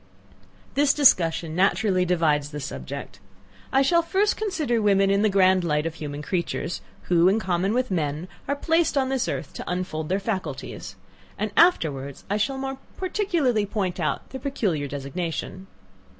This discussion naturally divides the subject. I shall first consider women in the grand light of human creatures, who, in common with men, are placed on this earth to unfold their faculties; and afterwards I shall more particularly point out their peculiar designation.